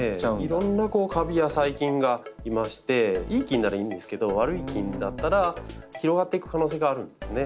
いろんなカビや細菌がいましていい菌ならいいんですけど悪い菌だったら広がっていく可能性があるんですね。